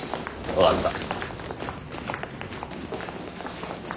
分かった。